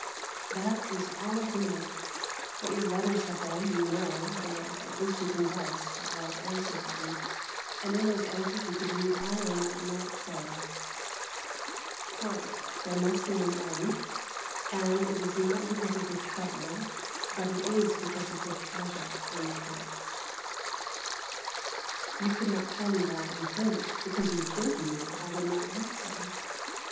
That is all of me. What your letters have been you know, or at least you can guess, for I have answered them, and in those answers you could read all I might not say. "There must be an end, and it is not because of the trouble, but it is because of the pleasure." You could not tell me that and think, because you bid me, I would not answer?